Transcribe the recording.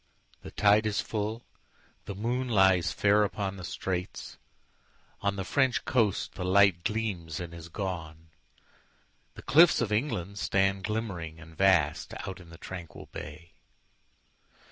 The tide is full, the moon lies fairUpon the straits;—on the French coast the lightGleams and is gone; the cliffs of England stand, Glimmering and vast, out in the tranquil bay.